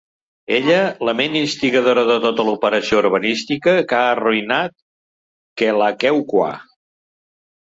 Ella, la ment instigadora de tota l'operació urbanística que ha arruïnat Kealakekua.